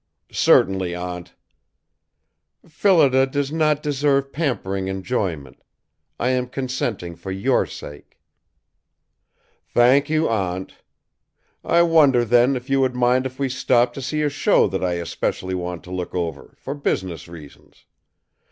"Certainly, Aunt." "Phillida does not deserve pampering enjoyment. I am consenting for your sake." "Thank you, Aunt. I wonder, then, if you would mind if we stopped to see a show that I especially want to look over, for business reasons?